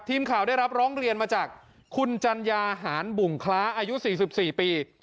ทีมข่าวได้รับร้องเรียนมาจากคุณจัญญาหารบุ่งคล้าอายุ๔๔ปี